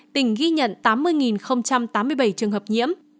tỉnh ghi nhận tám mươi tám mươi bảy trường hợp nhiễm